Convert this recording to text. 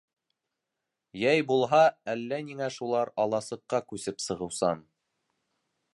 Йәй булһа, әллә ниңә шулар аласыҡҡа күсеп сығыусан.